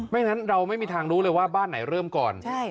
งั้นเราไม่มีทางรู้เลยว่าบ้านไหนเริ่มก่อน